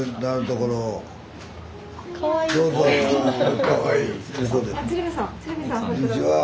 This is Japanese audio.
こんにちは。